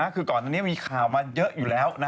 คือก่อนอันนี้มีข่าวมาเยอะอยู่แล้ว